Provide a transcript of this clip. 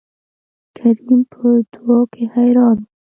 کريم په دو کې حيران وو.